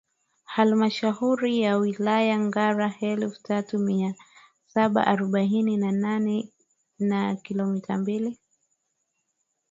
Halmashauri ya Wilaya Ngara elfu tatu mia saba arobaini na nne na kilometa mbili